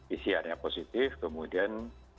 isiannya positif kemudian